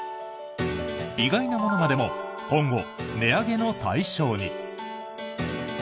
意外な物までも今後、値上げの対象に？